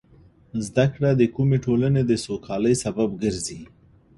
زده کړه د کومې ټولنې د سوکالۍ سبب ګرځي.